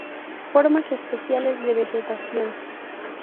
Formas especiales de vegetación.